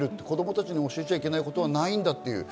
子供たちに教えちゃいけないことはないんだと。